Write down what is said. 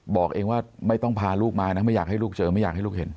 บอกเองว่าไม่ต้องพาลูกมานะไม่อยากให้ลูกเจอไม่อยากให้ลูกเห็น